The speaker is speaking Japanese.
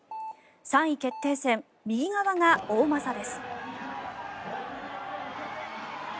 ３位決定戦、右側が大政です。